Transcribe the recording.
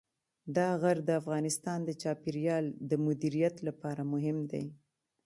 دا غر د افغانستان د چاپیریال د مدیریت لپاره مهم دی.